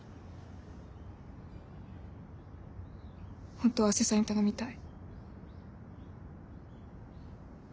本当は阿瀬さんに頼みたい。